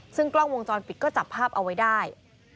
ซึ่งกล้องวงจรปิดก็จับภาพเอาไว้ได้